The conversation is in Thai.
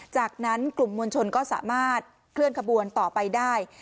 จากนั้นกลุ่มมวลชนก็สามารถเคลื่อนขบวนต่อไปได้